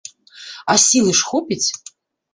А сілы ж хопіць?